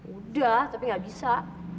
udah tapi gak bisa